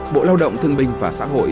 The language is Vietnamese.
bộ lao động thương minh và xã hội